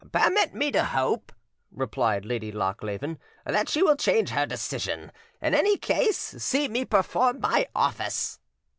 "Permit me to hope," replied Lady Lochleven, "that she will change her decision; in any case, see me perform my office."